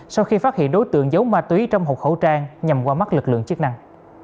sau khi phát hiện đối tượng giấu ma túy trong hộp khẩu trang nhằm qua mắt lực lượng chức năng